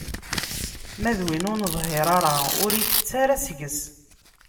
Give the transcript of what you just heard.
Ma d win ur neḍhir ara, ur itett ara seg-s.